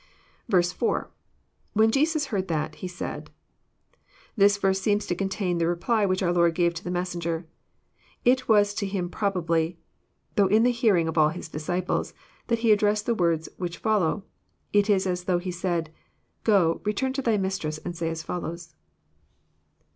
4. — [_When Jesris heard tJiat, he said.'} This verse seems to contain the reply which our Lord gave to the messenger. It was to him probably, though in the hearing of al\ His disciples, that He addressed the words which follow. It is as though He said, «* Go, return to thy mistress and say as follows."